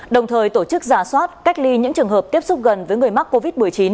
đồng thời tổ chức giả soát cách ly những trường hợp tiếp xúc gần với người mắc covid một mươi chín